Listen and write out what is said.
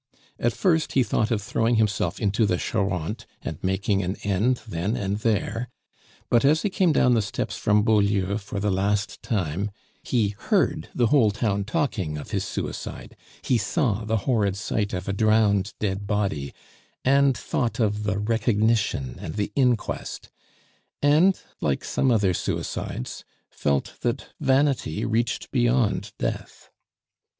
At first he thought of throwing himself into the Charente and making an end then and there; but as he came down the steps from Beaulieu for the last time, he heard the whole town talking of his suicide; he saw the horrid sight of a drowned dead body, and thought of the recognition and the inquest; and, like some other suicides, felt that vanity reached beyond death.